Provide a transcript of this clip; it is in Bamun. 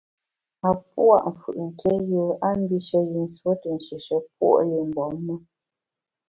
A pua’ mfù’ nké yùe a mbishe yi nsuo te nshieshe puo’ li mgbom me.